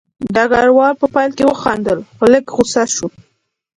ډګروال په پیل کې وخندل خو لږ غوسه شو